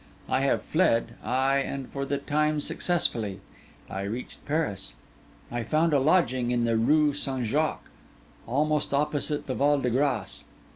I have fled; ay, and for the time successfully. I reached Paris. I found a lodging in the Rue St. Jacques, almost opposite the Val de Grâce.